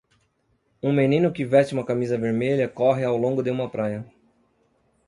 Um menino que veste uma camisa vermelha corre ao longo de uma praia.